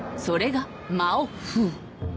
それがマオ・フウ。